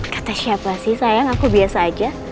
kata siapa sih sayang aku biasa aja